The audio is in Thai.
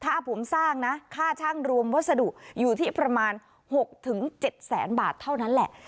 ถ้าผมสร้างนะค่าช่างรวมวัสดุอยู่ที่ประมาณ๖๗แสนบาทเท่านั้นแหละ